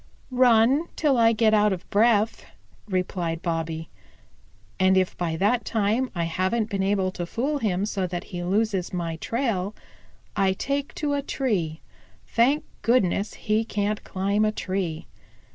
"Run till I get out of breath," replied Bobby. "And if by that time I haven't been able to fool him so that he loses my trail, I take to a tree. Thank goodness, he can't climb a tree.